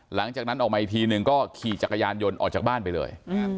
หลังจากนั้นออกมาอีกทีนึงก็ขี่จักรยานยนต์ออกจากบ้านไปเลย